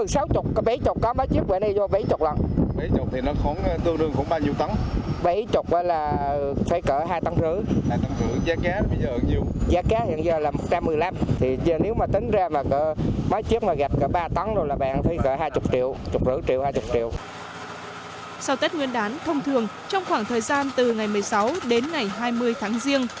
sau tết nguyên đán thông thường trong khoảng thời gian từ ngày một mươi sáu đến ngày hai mươi tháng riêng